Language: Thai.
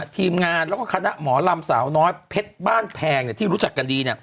ทีมงานแล้วก็คณะหมอลำสาวน้อยเพชรบ้านแพงที่รู้จักกันดี